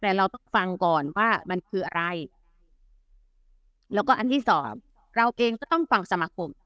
แต่เราต้องฟังก่อนว่ามันคืออะไรแล้วก็อันที่สองเราเองก็ต้องฟังสมาคม